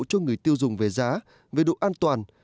cho người tiêu dùng về giá về độ an toàn